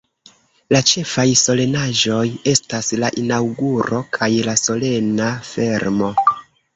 La ĉefaj solenaĵoj estas la Inaŭguro kaj la Solena Fermo.